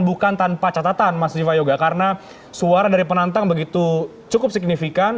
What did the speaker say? bukan tanpa catatan mas viva yoga karena suara dari penantang begitu cukup signifikan